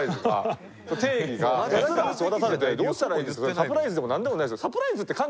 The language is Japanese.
サプライズでもなんでもないですよ。